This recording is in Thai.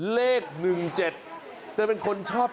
เรื่อง๑๗เธอเป็นคนชอบ๗๗